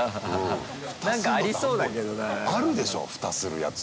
あるでしょ蓋するやつ。